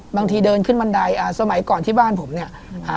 บางทีเดินขึ้นบันไดสมัยก่อนที่บ้านผมเนี่ย